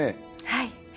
はい。